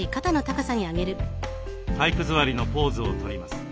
体育座りのポーズをとります。